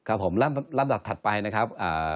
ครับผมลำดับถัดไปนะครับ